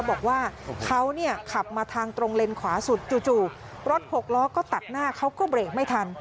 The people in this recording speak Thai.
บอกว่าเขาเนี่ยขับมาทางตรงเลนขวาสุดจู่รถหกล้อก็ตัดหน้าเขาก็เบรกไม่ทัน